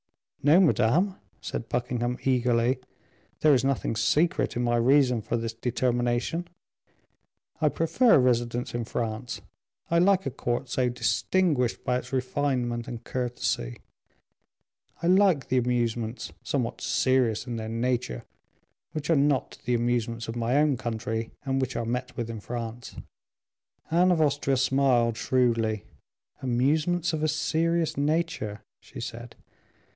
"No, madame," said Buckingham, eagerly, "there is nothing secret in my reason for this determination. I prefer residence in France; I like a court so distinguished by its refinement and courtesy; I like the amusements, somewhat serious in their nature, which are not the amusements of my own country, and which are met with in France." Anne of Austria smiled shrewdly. "Amusements of a serious nature?" she said.